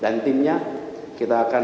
dan timnya kita akan siapkan